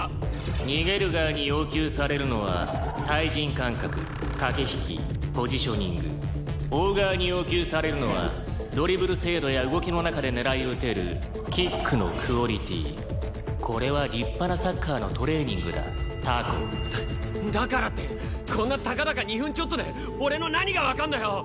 「逃げる側に要求されるのは対人感覚駆け引きポジショニング」「追う側に要求されるのはドリブル精度や動きの中で狙い撃てるキックのクオリティー」「これは立派なサッカーのトレーニングだタコ」だだからってこんなたかだか２分ちょっとで俺の何がわかんだよ！？